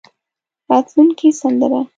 راتلونکې سندره.